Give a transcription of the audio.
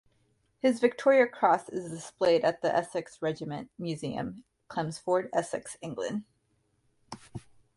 His Victoria Cross is displayed at The Essex Regiment Museum, Chelmsford, Essex, England.